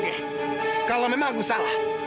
oke kalau memang aku salah